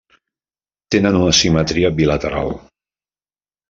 Tenen una simetria bilateral.